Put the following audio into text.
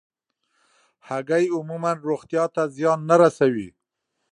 هګۍ عموماً روغتیا ته زیان نه رسوي.